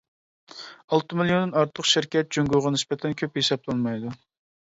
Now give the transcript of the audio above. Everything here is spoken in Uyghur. ئالتە مىليوندىن ئارتۇق شىركەت جۇڭگوغا نىسبەتەن كۆپ ھېسابلانمايدۇ.